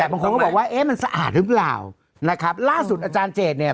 แต่บางคนก็บอกว่าเอ๊ะมันสะอาดหรือเปล่านะครับล่าสุดอาจารย์เจดเนี่ย